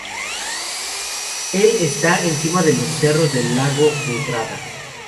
Él está encima de los cerros del Lago de Garda.